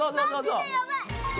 マジでやばい！